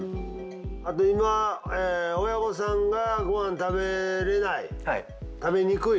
あと今親御さんがご飯食べれない食べにくい。